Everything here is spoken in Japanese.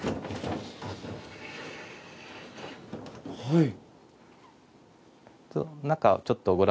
はい。